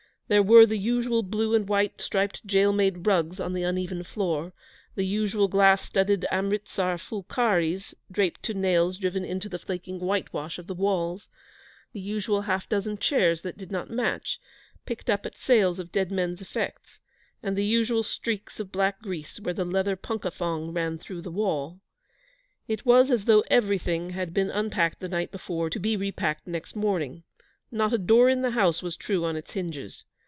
There were the usual blue and white striped jail made rugs on the uneven floor; the usual glass studded Amritsar phulkaris draped to nails driven into the flaking whitewash of the walls; the usual half dozen chairs that did not match, picked up at sales of dead men's effects; and the usual streaks of black grease where the leather punka thong ran through the wall. It was as though everything had been unpacked the night before to be repacked next morning. Not a door in the house was true on its hinges.